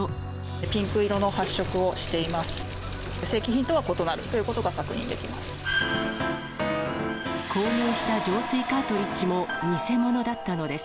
ピンク色の発色をしています。